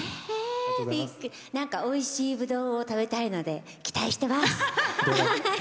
おいしいぶどうを食べたいので期待してます！